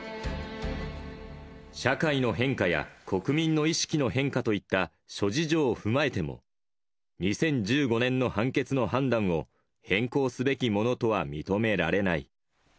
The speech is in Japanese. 社会の変化や国民の意識の変化といった諸事情を踏まえても、２０１５年の判決の判断を、変更すべきものとは認められない。